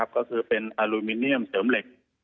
ก็คือเป็นอลูมิเนียมเสริมเหล็ก